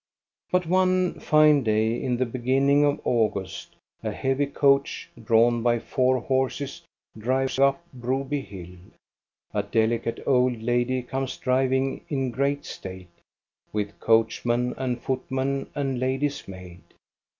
But one fine day in the beginning of August a heavy coach, drawn by four horses, drives up Broby hill. A delicate old lady comes driving in great state, with coachman and footman and lady's maid.